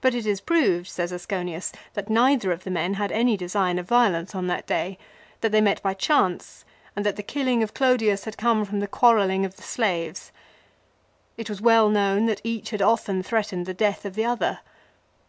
But it is proved, says Asconius, that neither of the men had any design of violence on that day ; that they met by chance, and that the killing of Clodius had come from the quarrelling of the slaves. It was well known that each had often threatened the death of the other.